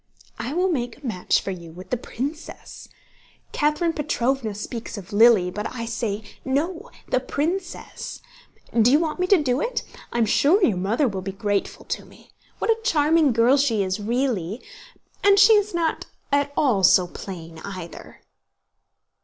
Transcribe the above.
"I will make a match for you with the princess. Catherine Petróvna speaks of Lily, but I say, no—the princess! Do you want me to do it? I am sure your mother will be grateful to me. What a charming girl she is, really! And she is not at all so plain, either."